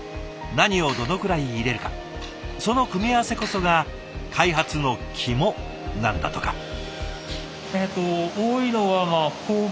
何をどのくらい入れるかその組み合わせこそが開発の肝なんだとか。